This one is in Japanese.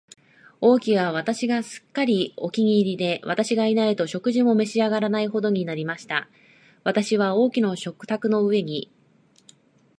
王妃は私がすっかりお気に入りで、私がいないと食事も召し上らないほどになりました。私は王妃の食卓の上に、